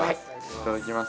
いただきます。